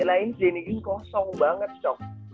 lain si danny green kosong banget